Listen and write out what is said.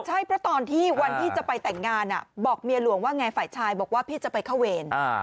ใช่เพราะตอนที่วันที่จะไปแต่งงานบอกเมียหลวงว่าไงฝ่ายชายบอกว่าพี่จะไปเข้าเวร